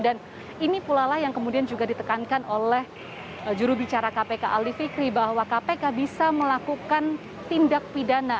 dan ini pula lah yang kemudian juga ditekankan oleh jurubicara kpk ali fikri bahwa kpk bisa melakukan tindak pidana